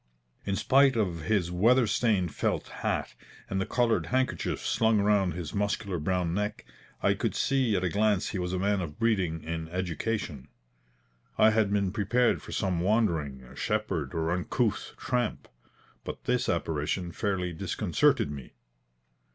In spite of his weather stained felt hat, and the coloured handkerchief slung round his muscular brown neck, I could see at a glance he was a man of breeding and education. I had been prepared for some wandering shepherd or uncouth tramp, but this apparition fairly disconcerted me.